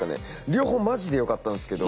両方マジで良かったんですけど。